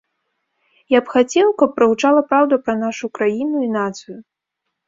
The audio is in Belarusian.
Я б хацеў, каб прагучала праўда пра нашу краіну і нацыю.